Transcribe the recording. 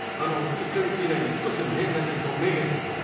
１カ月以内に少しでも返済すると明言してくれました。